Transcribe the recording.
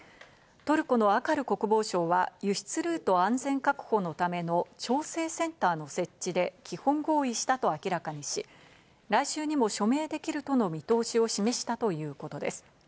トルコのアカル国防相は輸出ルート安全確保のための調整センターの設置で基本合意したと明らかにし、来週にも署名できるとの見通しを示したということです。